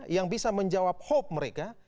yang bisa menjawab hope mereka